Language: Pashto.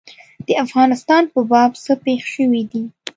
د افغانستان په باب څه پېښ شوي دي.